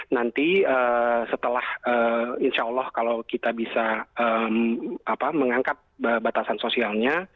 nanti setelah insya allah kalau kita bisa mengangkat batasan sosialnya